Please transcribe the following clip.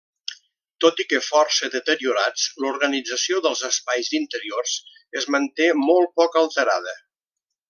Tot i que força deteriorats, l'organització dels espais interiors es manté molt poc alterada.